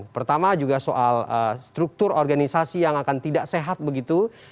pertama juga soal struktur organisasi yang akan tidak sehat begitu